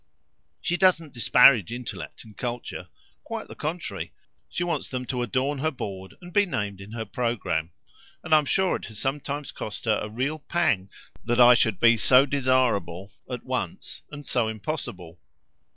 She doesn't disparage intellect and culture quite the contrary; she wants them to adorn her board and be associated with her name; and I'm sure it has sometimes cost her a real pang that I should be so desirable, at once, and so impossible."